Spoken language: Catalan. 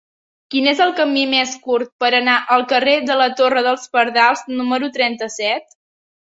Quin és el camí més curt per anar al carrer de la Torre dels Pardals número trenta-set?